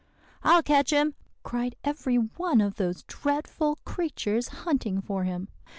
"'I'll catch him,' cried every one of those dreadful creatures hunting for him.